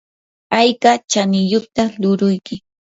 ¿ayka chaniyuqtaq luuruyki?